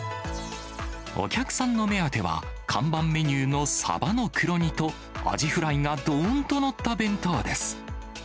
お客さんの目当ては、看板メニューのサバの黒煮と、アジフライがどーんと載った弁当です。